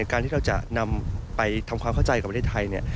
การที่เราจะนำไปทำความเข้าใจกับประเทศไทยเนี่ย